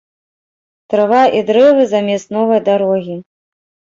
Трава і дрэвы замест новай дарогі.